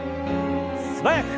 素早く。